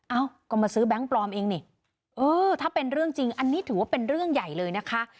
เอ้าก็มาซื้อแบงค์ปลอมเองนี่เออถ้าเป็นเรื่องจริงอันนี้ถือว่าเป็นเรื่องใหญ่เลยนะคะ